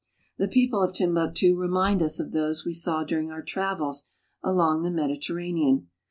The people of Timbuktu remind us of those we saw during our travels along the Mediterranean.